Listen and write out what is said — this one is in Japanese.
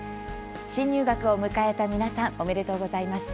新入学を迎えた皆さんおめでとうございます。